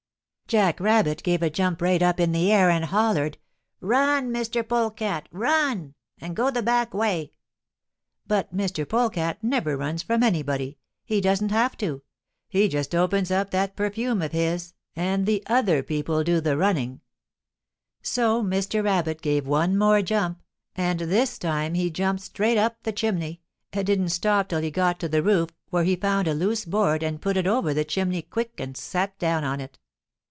"Jack Rabbit gave a jump right up in the air, and hollered, 'Run! Mr. Polecat, run! and go the back way!' But Mr. Polecat never runs from anybody he doesn't have to he just opens up that perfume of his and the other people do the running. So Mr. Rabbit gave one more jump, and this time he jumped straight up the chimney, and didn't stop till he got to the roof, where he found a loose board and put it over the chimney quick and sat down on it.